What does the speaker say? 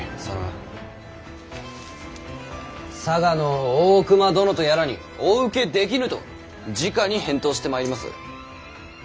その佐賀の大隈殿とやらにお受けできぬとじかに返答してまいります。